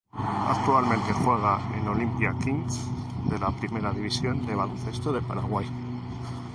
Actualmente juega en Olimpia Kings de la Primera División de Baloncesto de Paraguay.